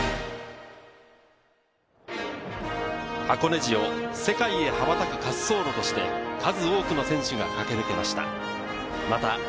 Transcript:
箱根路を世界へ羽ばたく滑走路として数多くの選手が駆け抜けました。